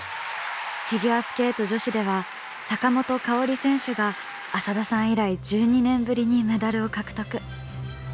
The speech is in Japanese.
フィギュアスケート女子では坂本花織選手が浅田さん以来１２年ぶりにメダルを獲得。